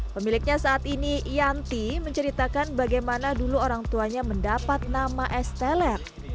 pemiliknya saat ini yanti menceritakan bagaimana dulu orang tuanya mendapat nama es teler